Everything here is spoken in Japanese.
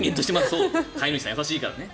飼い主さん優しいからね。